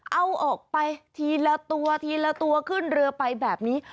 เอาออกไปทีละตัวทีละตัวขึ้นเรือไปแบบนี้